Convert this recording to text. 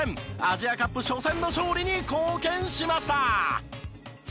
アジアカップ初戦の勝利に貢献しました。